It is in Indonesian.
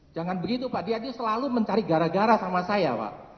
jangan begitu pak dia selalu mencari gara gara sama saya pak